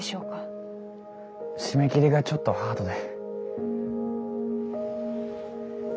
締め切りがちょっとハードで。